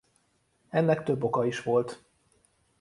Ennek több oka is volt.